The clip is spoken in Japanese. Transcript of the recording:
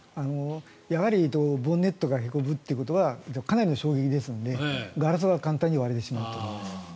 やはりボンネットがへこむということはかなりの衝撃ですのでガラスは簡単に割れてしまうと思います。